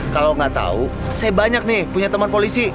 kalau nggak tahu saya banyak nih punya teman polisi